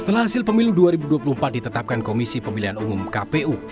setelah hasil pemilu dua ribu dua puluh empat ditetapkan komisi pemilihan umum kpu